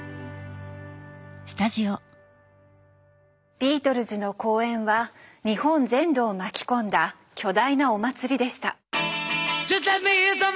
ビートルズの公演は日本全土を巻き込んだ巨大なお祭りでした。